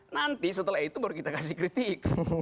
nanti setelah itu baru kita kasih kritik